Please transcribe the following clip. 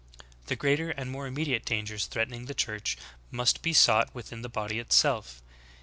The greater and more im mediate dangers threatening the Church must be sought within the body itself.